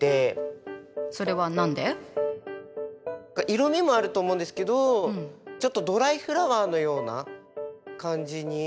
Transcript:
色みもあると思うんですけどちょっとドライフラワーのような感じに見えますね。